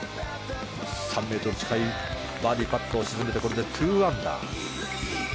３ｍ近いバーディーパットを沈めてこれで２アンダー。